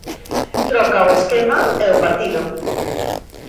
Troca o esquema e o partido.